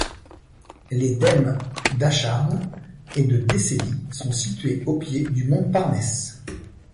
Les dèmes d'Acharnes et de Décélie sont situés au pied du mont Parnès.